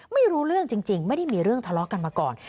ไม่รู้เรื่องจริงไม่ได้มีเรื่องทะเลาะกันมาก่อน